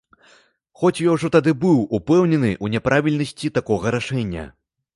Хоць я ўжо тады быў упэўнены ў няправільнасці такога рашэння.